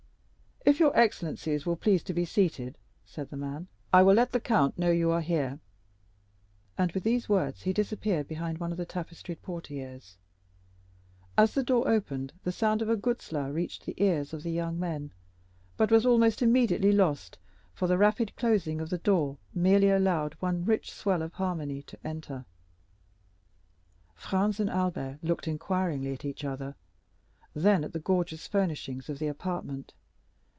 "If your excellencies will please to be seated," said the man, "I will let the count know that you are here." And with these words he disappeared behind one of the tapestried portières. As the door opened, the sound of a guzla reached the ears of the young men, but was almost immediately lost, for the rapid closing of the door merely allowed one rich swell of harmony to enter. Franz and Albert looked inquiringly at each other, then at the gorgeous furnishings of the apartment.